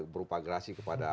berupa agresi kepada